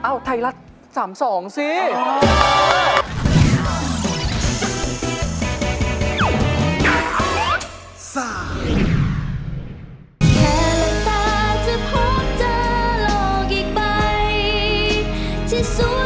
อ้าวไทรรัตน์๓๒สิ